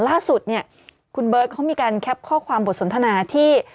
ล่าสุดเนี่ยคุณเบิร์ตเขามีการแคปข้อความบทสนทนาที่